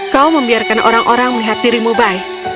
kau membiarkan orang orang melihat dirimu baik